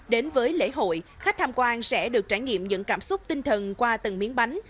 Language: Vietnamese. đến với lễ hội khách tham quan sẽ được trải nghiệm những cảm xúc tinh thần qua từng miếng bánh